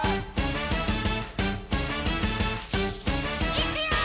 「いくよー！」